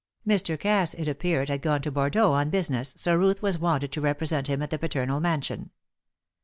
Mr. Cass, it appeared, had gone to Bordeaux on business, so Ruth was wanted to represent him at the paternal mansion.